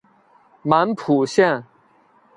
满浦线